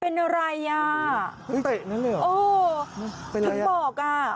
เป็นอะไรอ่ะ